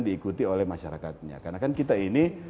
diikuti oleh masyarakatnya karena kan kita ini